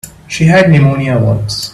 She had pneumonia once.